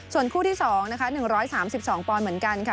ส่วนคู่ที่สองนะคะหนึ่งร้อยสามสิบสองปอนด์เหมือนกันค่ะ